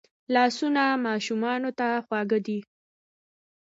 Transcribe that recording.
لاسونه ماشومانو ته خواږه دي